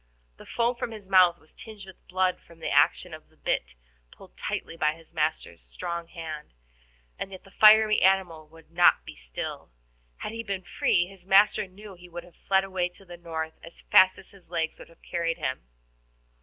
The foam from his mouth was tinged with blood from the action of the bit, pulled tightly by his master's strong hand, and yet the fiery animal would not be still. Had he been free, his master knew he would have fled away to the north as fast as his legs would have carried him.